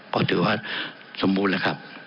พอถือว่าสมมุติแล้วครับ